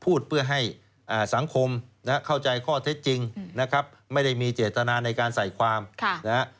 พูดเพื่อให้สังคมนะฮะเข้าใจข้อเท็จจริงนะครับไม่ได้มีเจตนาในการใส่ความนะฮะ